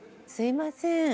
すいません。